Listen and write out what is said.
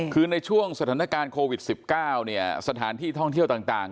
คือในช่วงสถานการณ์โควิดสิบเก้าเนี่ยสถานที่ท่องเที่ยวต่างต่าง